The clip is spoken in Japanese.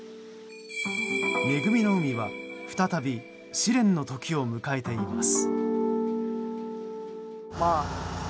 恵みの海は再び試練の時を迎えています。